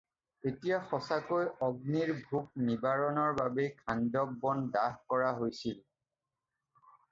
এতিয়া সঁচাকৈ অগ্নিৰ ভোক নিবাৰণৰ বাবেই খাণ্ডৱ বন দাহ কৰা হৈছিল।